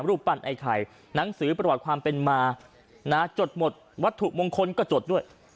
รูปปั้นไอ้ไข่หนังสือประวัติความเป็นมานะจดหมดวัตถุมงคลก็จดด้วย